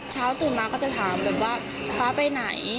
เช้าตื่นมาก็จะถามแบบว่าฟ้าไปไหน